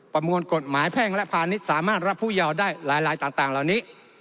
ประมวลกฎหมายแพ่งและพาณิชย์สามารถรับผู้เยาว์ได้หลายต่างเหล่านี้